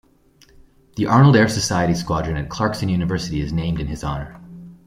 The Arnold Air Society Squadron at Clarkson University is named in his honor.